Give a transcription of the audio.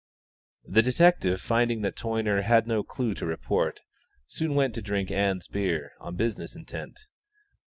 The detective, finding that Toyner had no clue to report, soon went to drink Ann's beer, on business intent.